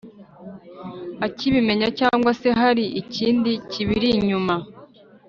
akibimenya cyangwa se hari ikindi kibiri inyuma"